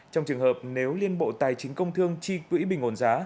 trong trường hợp nếu liên bộ tài chính công thương trì quỹ bình ổn giá